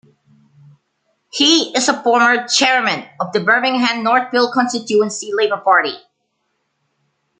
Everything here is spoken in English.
He is a former chairman of the Birmingham Northfield Constituency Labour Party.